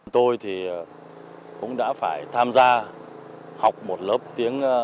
tôi thì cũng đã phải tham gia học một lớp tiếng